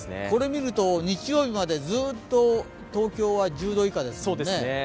これを見ると日曜日までずっと東京は１０度以下ですもんね。